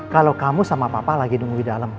kalau kamu sama papa lagi nunggu di dalam